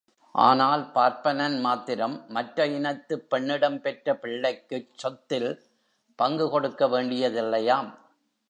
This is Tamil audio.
ஆனால் பார்ப்பனன் மாத்திரம், மற்ற இனத்துப் பெண்ணிடம் பெற்ற பிள்ளைக்குச் சொத்தில் பங்கு கொடுக்க வேண்டியதில்லையாம்.